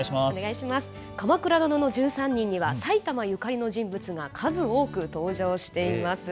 鎌倉殿の１３人には埼玉ゆかりの人物が数多く登場しています。